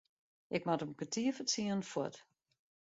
Ik moat om kertier foar tsienen fuort.